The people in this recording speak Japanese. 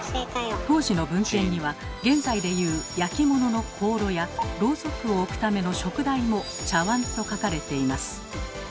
当時の文献には現在でいう焼き物の香炉やろうそくを置くための燭台も「茶わん」と書かれています。